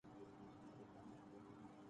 شریفوں کا حال ہی اور ہے۔